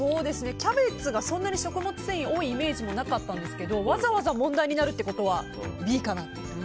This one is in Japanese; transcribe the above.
キャベツがそんなに食物繊維多いイメージなかったんですけどわざわざ問題になるってことはＢかなと。